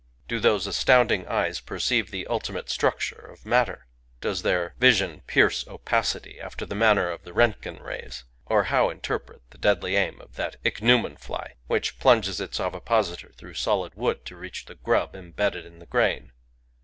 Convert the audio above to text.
Do those astounding eyes perceive the ultimate structure of matter ? does their vision pierce opacity, after the manner of the Rontgen rays? (Or how interpret the deadly aim of that ichneumon fly which plunges its ovipositor through solid wood to reach the grub embedded in the grain?)